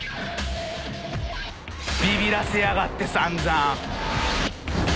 ビビらせやがって散々。